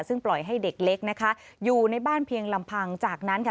ซึ่งปล่อยให้เด็กเล็กนะคะอยู่ในบ้านเพียงลำพังจากนั้นค่ะ